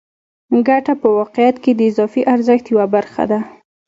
ګته په واقعیت کې د اضافي ارزښت یوه برخه ده